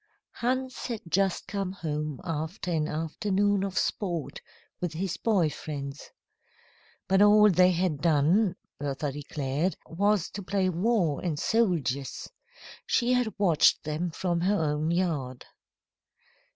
Hans had just come home after an afternoon of sport with his boy friends. But all they had done, Bertha declared, was to play war and soldiers. She had watched them from her own yard.